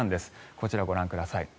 こちら、ご覧ください。